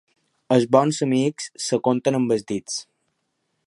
Els bons amics es compten amb els dits.